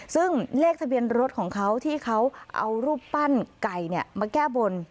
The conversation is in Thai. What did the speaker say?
ซึ่งเลขทะเบียนรถของเขาที่เขาเอารูปปั้นไก่มาแก้บน